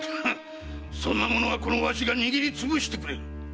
そんなものはこのわしが握りつぶしてくれる！